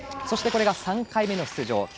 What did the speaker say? そしてこれが３回目の出場